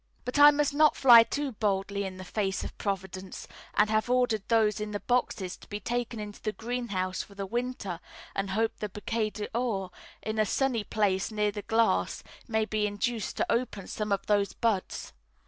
But I must not fly too boldly in the face of Providence, and have ordered those in the boxes to be taken into the greenhouse for the winter, and hope the Bouquet d'Or, in a sunny place near the glass, may be induced to open some of those buds.